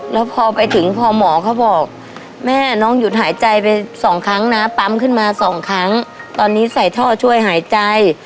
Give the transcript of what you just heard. แล้วพอไปถึงพอหมอเขาบอกแม่น้องหยุดหายใจไปสองครั้งนะปั๊มขึ้นมาสองครั้งตอนนี้ใส่ท่อช่วยหายใจ